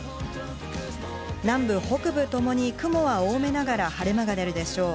南部北部ともに雲は多めながら晴れ間が出るでしょう。